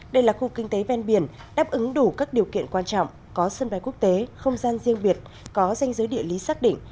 đây là khu kinh tế ven biển đáp ứng đủ các điều kiện quan trọng có sân bay quốc tế không gian riêng biệt có danh giới địa lý xác định